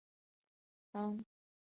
当时日文并没有书写系统。